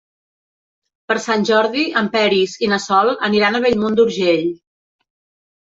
Per Sant Jordi en Peris i na Sol aniran a Bellmunt d'Urgell.